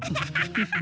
フフフ。